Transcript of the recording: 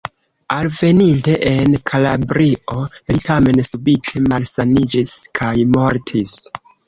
Alveninte en Kalabrio li tamen subite malsaniĝis kaj mortis.